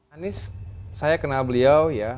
anies saya kenal beliau ya